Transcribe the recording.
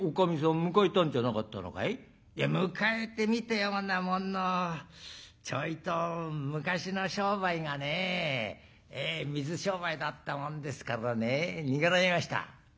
「いや迎えてみたようなもののちょいと昔の商売がね水商売だったもんですからね逃げられました」。